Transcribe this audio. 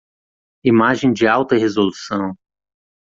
Imagem de alta resolução.